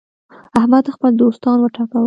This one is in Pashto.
احمد خپل دوښمنان وټکول.